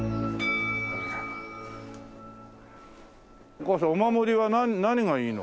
お母さんお守りは何がいいの？